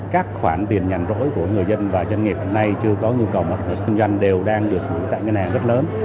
các khoản tiền nhành rỗi của người dân và doanh nghiệp hiện nay chưa có nhu cầu mở rộng doanh doanh đều đang được giữ tại ngành hàng rất lớn